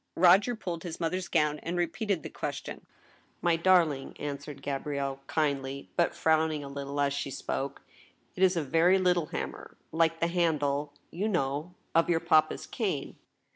Roger pulled his mother's gown, and repeated the ques tion. " My darling," answered Gabrielle, kindly, but frowning a little as she spoke, " it is a very little hammer, like the handle ... you know ... of your papa's cane."